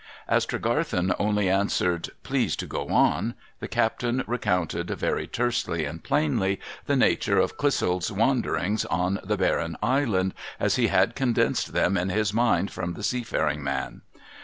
' As 'J'regarthen only answered, ' Please to go on,' the captain recounted, very tersely and plainly, the nature of Clissold's wanderings on the barren island, as he had condensed them in his mind from the seafiiring man.